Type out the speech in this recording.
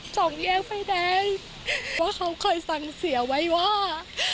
สองแยกไฟแดงว่าเขาเคยสั่งเสียไว้ว่า